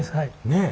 ねえ。